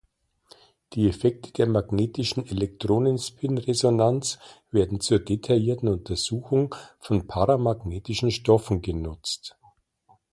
Die Effekte der magnetischen Elektronenspinresonanz werden zur detaillierten Untersuchung von paramagnetischen Stoffen genutzt.